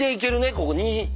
ここ２。